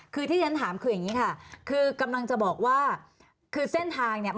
คือที่ฉันถามคืออย่างนี้ค่ะคือกำลังจะบอกว่าคือเส้นทางเนี่ย